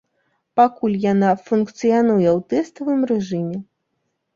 Пакуль яна функцыянуе ў тэставым рэжыме.